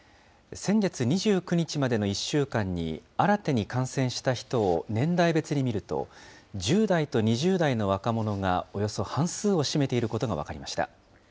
先月２９日までの１週間に、新たに感染した人を年代別に見ると、１０代と２０代の若者がおよそ半数を占めていることが分かりました。